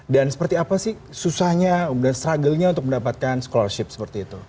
dan seperti apa sih susahnya dan struggle nya untuk mendapatkan scholarship seperti itu